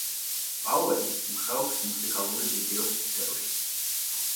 პაუელი მუშაობს მუსიკალური ვიდეოს სფეროში.